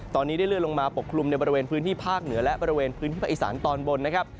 ตอนนี้ได้เลื่อนลงมาปกคลุมในบริเวณพื้นที่ภาคเหนือและบริเวณพื้นที่ภาคอีสานตอนบนนะครับ